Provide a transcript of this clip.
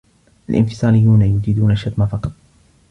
الإنفصاليون يجيدون الشتم فقط.